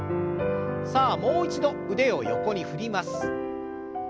さあもう一度腕を横に振ります。